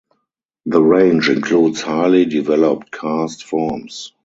The range includes highly developed karst forms.